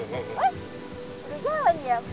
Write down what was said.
eh udah jalan ya